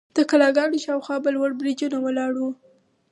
د کلاګانو شاوخوا به لوړ برجونه ولاړ وو.